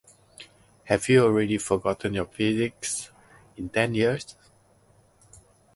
Have you already forgotten your physics, in ten years?